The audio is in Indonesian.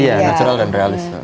iya natural dan realist